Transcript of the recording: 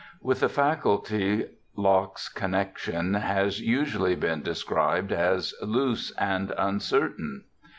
With the faculty Locke's connexion has usually been described as ' loose and uncertain